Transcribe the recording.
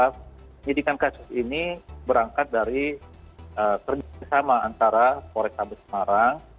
penyelidikan kasus ini berangkat dari kerjasama antara kores sambil semarang